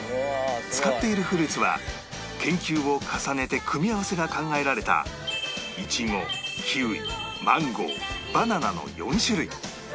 使っているフルーツは研究を重ねて組み合わせが考えられたいちごキウイマンゴーバナナの４種類